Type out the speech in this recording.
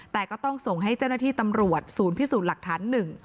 แต่ก็ต้องส่งให้เจ้าหน้าที่ตำรวจศูนย์พิสูจน์หลักฐาน๑